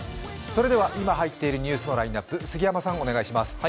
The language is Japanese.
今入っているニュースのラインナップ、杉山さん、お願いします。